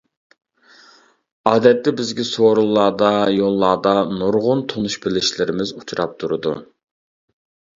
ئادەتتە بىزگە سورۇنلاردا، يوللاردا نۇرغۇن تونۇش- بىلىشلىرىمىز ئۇچراپ تۇرىدۇ.